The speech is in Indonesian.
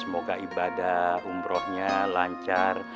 semoga ibadah umrohnya lancar